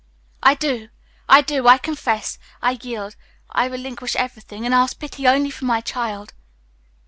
"I do, I do! I confess, I yield, I relinquish everything, and ask pity only for my child."